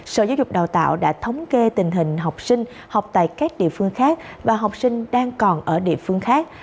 sở giáo dục đào tạo đã thống kê tình hình học sinh học tại các địa phương khác và học sinh đang còn ở địa phương khác